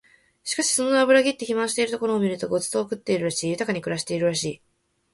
しかしその脂ぎって肥満しているところを見ると御馳走を食ってるらしい、豊かに暮らしているらしい